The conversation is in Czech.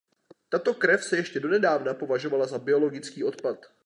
Tato krev se ještě donedávna považovala za biologický odpad.